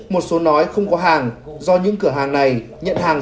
một số nói không có hàng do những cửa hàng này nhận hàng